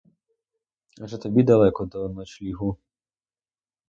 Адже тобі далеко до нічлігу.